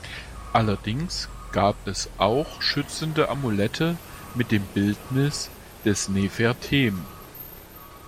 Allerdings gab es auch schützende Amulette mit dem Bildnis des Nefertem.